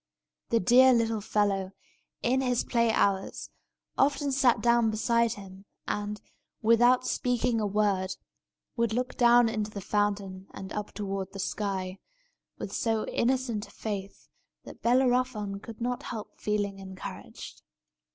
The dear little fellow, in his play hours, often sat down beside him, and, without speaking a word, would look down into the fountain and up toward the sky, with so innocent a faith that Bellerophon could not help feeling encouraged.